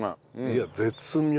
いや絶妙。